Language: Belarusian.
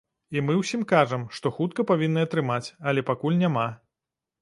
І мы ўсім кажам, што хутка павінны атрымаць, але пакуль няма.